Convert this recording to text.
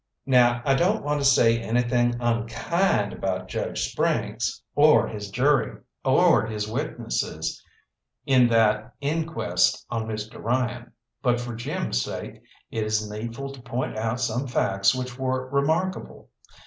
Now I don't want to say anything unkind about Judge Sprynkes, or his jury, or his witnesses, in that inquest on Mr. Ryan; but for Jim's sake it is needful to point out some facts which were remarkable.